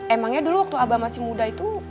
emangnya dulu waktu abah masih muda itu